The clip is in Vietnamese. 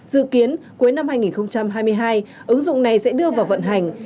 dự kiến cuối năm hai nghìn hai mươi hai ứng dụng này sẽ đưa vào vận hành